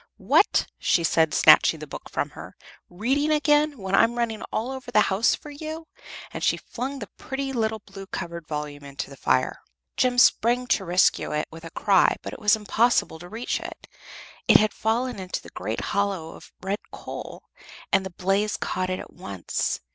"What!" she said, snatching the book from her, "reading again, when I am running all over the house for you?" And she flung the pretty little blue covered volume into the fire. Jem sprang to rescue it with a cry, but it was impossible to reach it; it had fallen into a great hollow of red coal, and the blaze caught it at once.